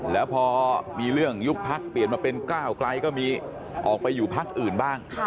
แล้วพอมีเรื่องยุบพักเปลี่ยนมาเป็นก้าวไกลก็มีออกไปอยู่พักอื่นบ้าง